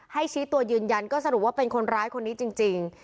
ชี้ตัวยืนยันก็สรุปว่าเป็นคนร้ายคนนี้จริง